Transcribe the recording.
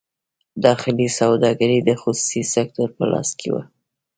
داخلي سوداګري د خصوصي سکتور په لاس کې وه.